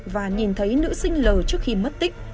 và nhìn thấy nữ sinh l trước khi mất tích